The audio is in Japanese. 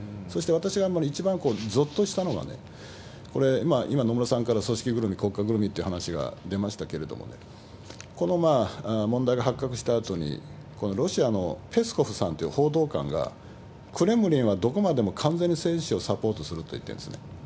そして私が一番ぞっとしたのはね、これ、今、野村さんから組織ぐるみ、国家ぐるみって話が出ましたけれどもね、この問題が発覚したあとに、ロシアのペスコフさんっていう報道官が、クレムリンはどこまでも完全に選手をサポートすると言ってんですね。